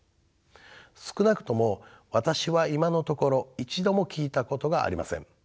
少なくとも私は今のところ一度も聞いたことがありません。